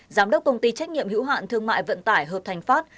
giám đốc công ty trách nhiệm hữu hạn thương mại vận tải hợp thành pháp